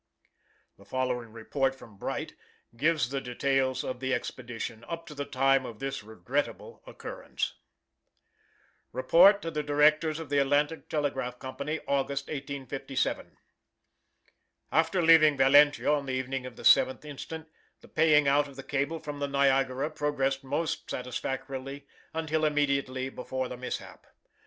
The following report from Bright gives the details of the expedition up to the time of this regrettable occurrence: REPORT TO THE DIRECTORS OF THE ATLANTIC TELEGRAPH COMPANY, AUGUST, 1857 After leaving Valentia on the evening of the 7th inst, the paying out of the cable from the Niagara progressed most satisfactorily until immediately before the mishap.